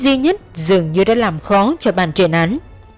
nhưng manh mối duy nhất dường như đã làm khó cho bàn truyền án